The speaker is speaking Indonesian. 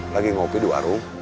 lagi ngopi di warung